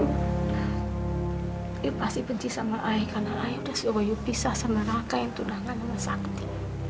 ayah pasti benci sama ayah karena ayah udah suruh ayah pisah sama raka yang tunangan sama sakti